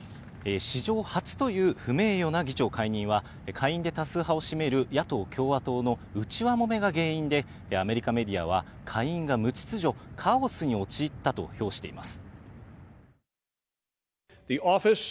史上初という不名誉な議長解任は、下院で多数派を占める野党・共和党の内輪もめが原因でアメリカメディアは会員が無秩序＝カオスに陥ったと評しています。